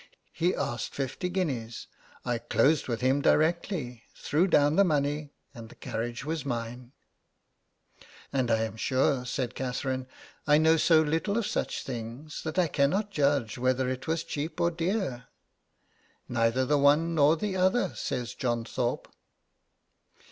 He asked fifty guineas.... I closed with him directly, threw down the money, and the carriage was mine.' 'And I am sure,' said Catherine, 'I know so little of such things, that I cannot judge whether it was cheap or dear.' 'Neither the one nor the other,' says John Thorpe.